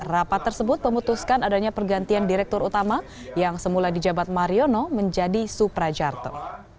rapat tersebut memutuskan adanya pergantian direktur utama yang semula di jabat mariono menjadi suprajarto